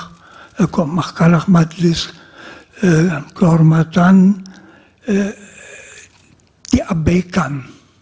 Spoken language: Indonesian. mahal mahkalah majlis kehormatan diabaikan